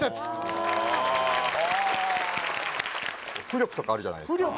浮力とかあるじゃないですか